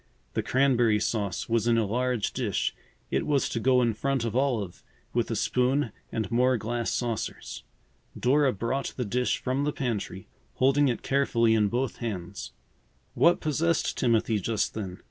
The cranberry sauce was in a large dish. It was to go in front of Olive, with a spoon and more glass saucers. Dora brought the dish from the pantry, holding it carefully in both hands. What possessed Timothy just then?